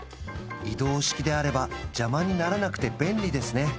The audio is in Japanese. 移動式であれば邪魔にならなくて便利ですね